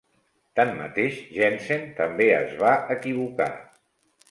Tanmateix, Jensen també es va equivocar.